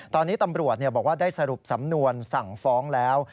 ตอนนี้ตำรวจบอกว่าได้สรุปสำนวนสั่งฟ้องแล้ว